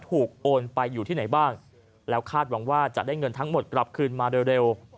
โอนไปอยู่ที่ไหนบ้างแล้วคาดหวังว่าจะได้เงินทั้งหมดกลับคืนมาเร็ว